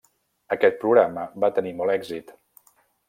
Aquest programa va tenir molt èxit.